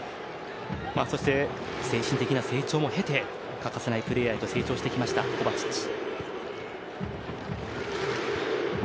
そして、精神的な成長も経て欠かせないプレーヤーに成長してきましたコヴァチッチ。